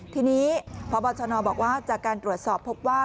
ทีนี้พบชนบอกว่าจากการตรวจสอบพบว่า